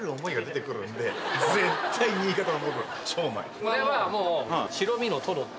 これはもう。